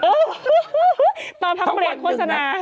โอ๊ยตอนภาระขุดทนา